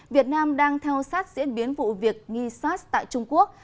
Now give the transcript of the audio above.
việt nam đang theo sát diễn biến vụ việc nghi sars tại trung quốc